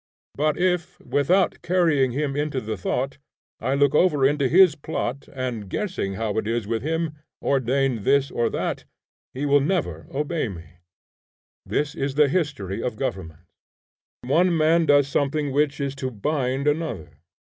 But if, without carrying him into the thought, I look over into his plot, and, guessing how it is with him, ordain this or that, he will never obey me. This is the history of governments, one man does something which is to bind another.